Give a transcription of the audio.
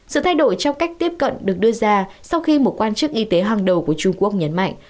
sự thay đổi trong cách tiếp cận được đưa ra sau khi một quan chức y tế hàng đầu của trung quốc nhấn mạnh